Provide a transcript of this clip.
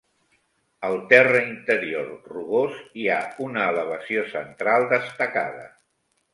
Al terra interior rugós, hi ha una elevació central destacada.